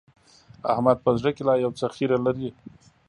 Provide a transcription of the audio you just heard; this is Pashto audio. احمد په زړه کې لا يو څه خيره لري.